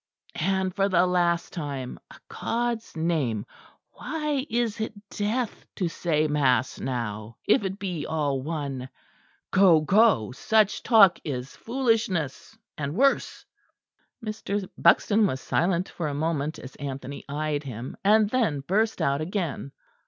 And for the last time, a God's name, why is it death to say mass now, if it be all one? Go, go: Such talk is foolishness, and worse." Mr. Buxton was silent for a moment as Anthony eyed him; and then burst out again.